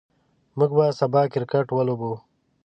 موږ به سبا کرکټ ولوبو.